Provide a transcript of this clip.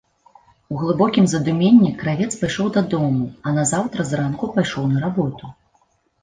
У глыбокім задуменні кравец пайшоў дадому, а назаўтра зранку пайшоў на работу.